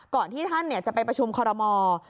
ที่ท่านจะไปประชุมคอรมอล์